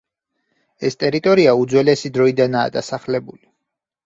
ეს ტერიტორია უძველესი დროიდანაა დასახლებული.